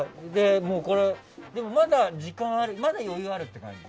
でもまだ時間に余裕あるって感じ？